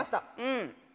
うん。